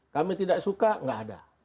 kami tidak suka tidak ada